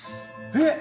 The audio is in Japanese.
えっ！